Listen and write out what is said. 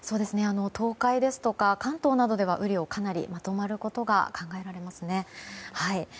東海ですとか関東などでは雨量がかなりまとまることが考えられます。